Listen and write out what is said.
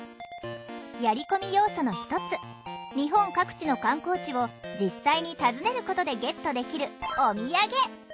やりこみ要素の一つ日本各地の観光地を実際に訪ねることでゲットできる「おみやげ」。